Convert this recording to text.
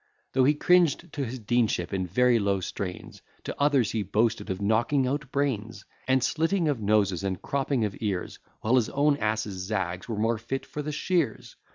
Though he cringed to his deanship in very low strains, To others he boasted of knocking out brains, And slitting of noses, and cropping of ears, While his own ass's zags were more fit for the shears.